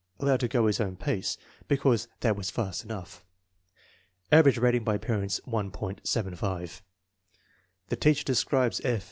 Allowed to go his own pace "because that was fast enough." Average rating by parents, 1.75. The teacher describes P.